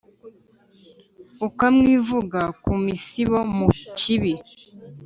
ukamwivuga ku musibo, mu kibi